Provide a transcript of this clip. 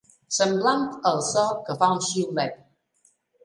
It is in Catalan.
Semblant al so que fa un xiulet.